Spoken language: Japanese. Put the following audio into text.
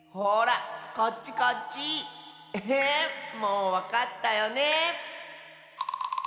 もうわかったよね？